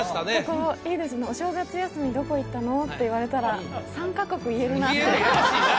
ところいいですねお正月休みどこ行ったの？って言われたら３カ国言えるなって